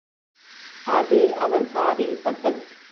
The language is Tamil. அது அவர் காதில் பட்டது.